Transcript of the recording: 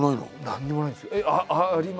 何にもないんですよ。あります？